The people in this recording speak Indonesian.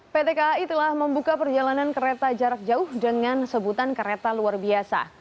pt kai telah membuka perjalanan kereta jarak jauh dengan sebutan kereta luar biasa